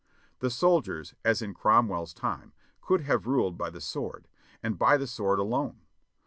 The soldiers, as in Cromwell's time, could have ruled by the sword, and by the sword alone.